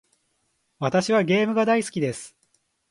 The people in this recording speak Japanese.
私はゲームが大好きです。